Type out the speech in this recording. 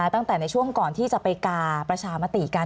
ตั้งแต่ในช่วงก่อนที่จะไปกาประชามาติกัน